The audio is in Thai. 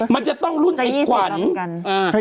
มันจะต้องรุ่นไอ้ขวัญ